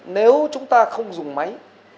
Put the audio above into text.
nếu chúng ta không dùng máy